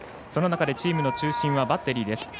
その中でチームの中心はバッテリーです。